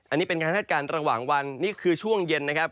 อันนี้เป็นการคาดการณ์ระหว่างวันนี่คือช่วงเย็นนะครับ